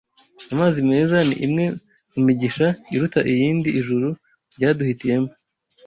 amazi meza ni imwe mu migisha iruta iyindi Ijuru ryaduhitiyemo